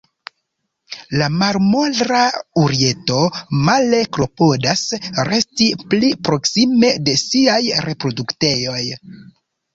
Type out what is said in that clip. La Marmora urieto, male klopodas resti pli proksime de siaj reproduktejoj.